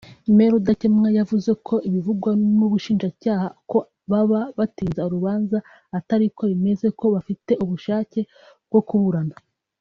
Me Rudakemwa yavuze ko ibivugwa n’Ubushinjacyaha ko baba batinza urubanza atariko bimeze ko bafite ubushake bwo kuburana